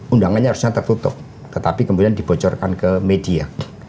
undangannya harusnya tertutup tetapi kemudian dibocorkan ke media